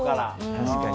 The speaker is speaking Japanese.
確かに。